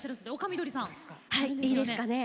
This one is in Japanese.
はいいいですかね。